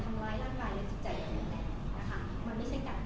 แล้วเราก็จะหาผู้เหตุเอกาลและสอบถามส่วนเหตุการณ์ด้วย